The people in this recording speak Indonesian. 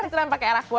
disiram pakai air aqua